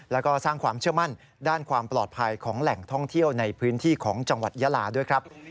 แล้วก็สร้างความเชื่อมั่นด้านความปลอดภัยของแหล่งท่องเที่ยวในพื้นที่ของจังหวัดยาลาด้วยครับ